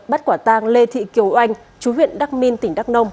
bắt quả tang lê thị kiều oanh chú huyện đắc minh tỉnh đắk nông